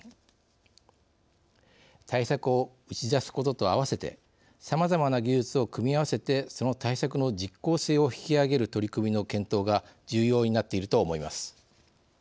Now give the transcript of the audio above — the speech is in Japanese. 対策を打ち出すことと併せてさまざまな技術を組み合わせてその対策の実効性を引き上げる取り組みの検討が重要になっていると思います。